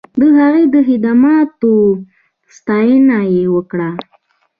د هغه د خدماتو ستاینه یې وکړه.